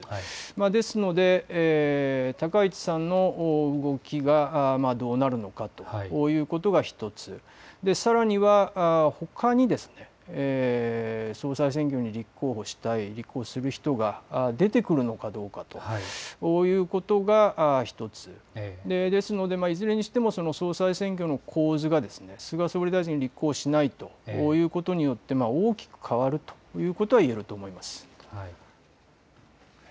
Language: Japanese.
ですので高市さんの気がどうなるのかということが、１つ、さらにはほかに総裁選挙に立候補する人が出てくるのかどうかということが１つ、ですので、いずれにしても総裁選挙の構図が菅総理大臣が立候補しないということによって大きく変わるということは言えると思います。